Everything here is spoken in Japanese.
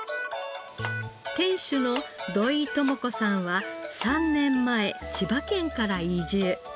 店主の土井智子さんは３年前千葉県から移住。